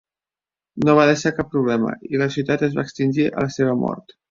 No va deixar cap problema, i la societat es va extingir a la seva mort.